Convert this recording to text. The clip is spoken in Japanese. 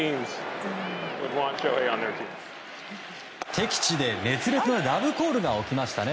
敵地で熱烈なラブコールが起きましたね。